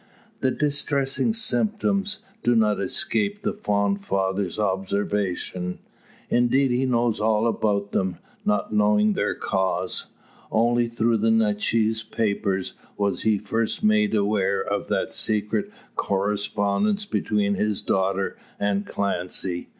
The distressing symptoms do not escape the fond father's observation. Indeed he knows all about them, now knowing their cause. Only through the Natchez newspapers was he first made aware of that secret correspondence between his daughter and Clancy.